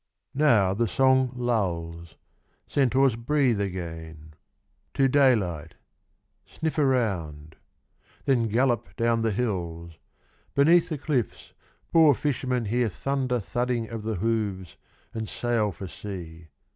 51 Pindar. Now the song lulls ; centaurs breathe again — To daylight — sniff around ; then gallop down the hills ; Beneath the cliffs, poor fishermen Hear thunder thudding of the hooves, and sail for sea.